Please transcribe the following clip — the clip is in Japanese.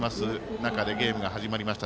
中でゲームが始まりました